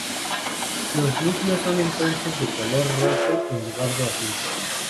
Los núcleos son entonces de color rojo en lugar de azul.